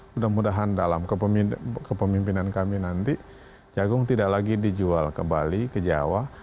mudah mudahan dalam kepemimpinan kami nanti jagung tidak lagi dijual ke bali ke jawa